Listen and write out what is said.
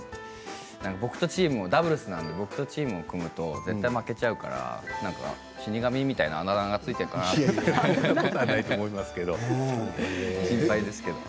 僕とチームダブルスなんですけど僕はチームを組むと絶対に負けちゃうから死に神みたいなあだ名がついているかなと思って心配ですけど。